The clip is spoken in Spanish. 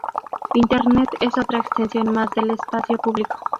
Internet es otra extensión más del espacio público